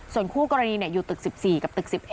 ส่วนคู่กรณีอยู่ตึก๑๔กับตึก๑๑